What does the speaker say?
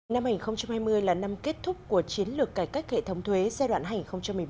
năm hai nghìn hai mươi là năm kết thúc của chiến lược cải cách hệ thống thuế giai đoạn hành một mươi một hai nghìn hai mươi